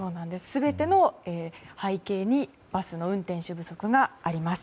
全ての背景にバスの運転手不足があります。